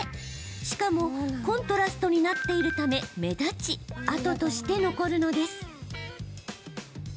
しかも、コントラストになっているため目立ち跡として残るのです。